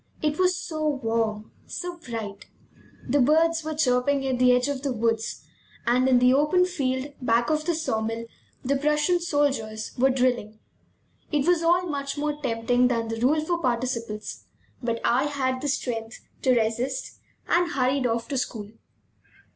It was so warm, so bright! The birds were chirping at the edge of the woods; and in the open field back of the saw mill the Prussian soldiers were drilling. It was all much more tempting than the rule for participles, but I had the strength to resist, and hurried off to school.